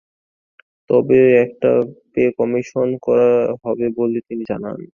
তবে একটা pay commission করা হবে বলে তিনি জানান।